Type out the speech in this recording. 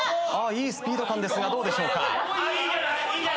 いいスピード感ですがどうでしょうか。